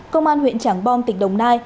công an huyện trảng bom tỉnh đồng nai